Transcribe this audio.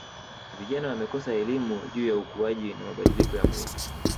Vijana wanakosa elimu juu ya ukuaji na mabadiliko ya mwili